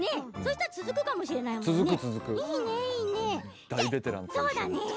そしたら続くかもしれないもんね。